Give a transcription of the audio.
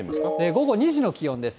午後２時の気温です。